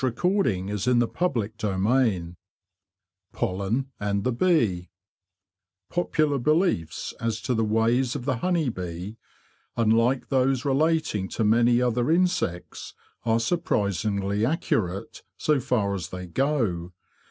CHAPTER XXI POLLEN AND THE BEE POPULAR beliefs as to the ways of the honey bee, unlike those relating to many other insects, are surprisingly accurate, so far as they go.